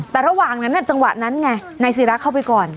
แต่ระหว่างนั้นจังหวะนั้นไงนายศิราเข้าไปก่อน